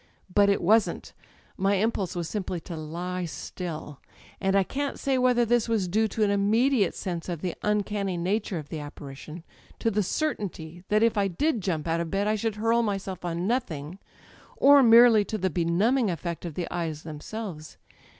But it wasn*t â€" ^my impulse was simply to lie still ... I can't say whether this was due to an inmiediate sense of the uncanny nature of the apparition â€" to the certainty that if I did jump out of bed I should hurl myself on nothing â€" or merely to the benumbing effect of the eyes themselves.